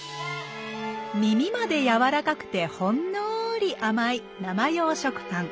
みみまでやわらかくてほんのり甘い生用食パン。